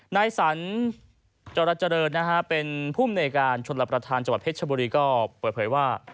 นายศรโจรัจเจริญเป็นผู้หม๑๙๕๕ชนลประทานเก๋ชบุรีก็บ่อยว่า